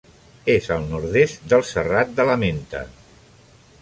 És al nord-est del Serrat de la Menta.